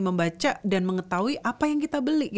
membaca dan mengetahui apa yang kita beli